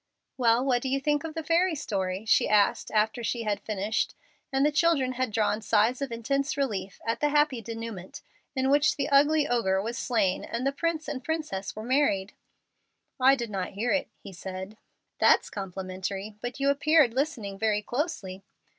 "Well, what do you think of the fairy story?" she asked after she had finished and the children had drawn sighs of intense relief at the happy denouement, in which the ugly ogre was slain and the prince and princess were married: "I did not hear it," he said. "That's complimentary. But you appeared listening very closely."